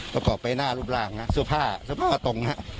และเกาะไปหน้ารูปรามเสื้อผ้าถ้าเขาก็ตรง